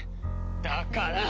だから！